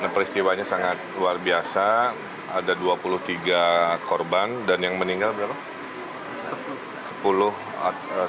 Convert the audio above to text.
peristiwanya sangat luar biasa ada dua puluh tiga korban dan yang meninggal berapa